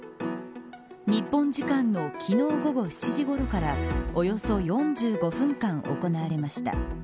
日本時間の昨日午後７時ごろからおよそ４５分間行われました。